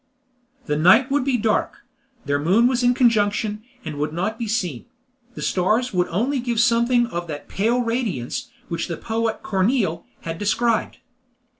The night would be dark; their moon was in conjunction, and would not be seen; the stars would only give something of that "pale radiance" which the poet Corneille has described.